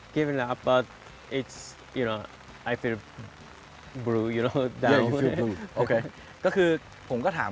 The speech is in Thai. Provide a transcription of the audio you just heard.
คุณต้องเป็นผู้งาน